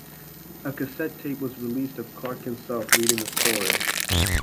A cassette tape was released of Clarke himself reading the story.